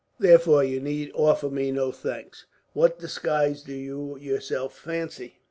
Therefore you need offer me no thanks. "What disguise do you, yourself, fancy?"